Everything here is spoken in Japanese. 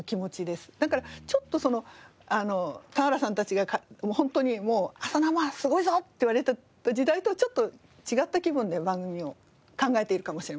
だからちょっとその田原さんたちがホントに『朝生』すごいぞ！って言われていた時代とはちょっと違った気分で番組を考えているかもしれません。